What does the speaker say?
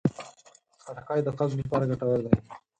خټکی د قبض لپاره ګټور دی.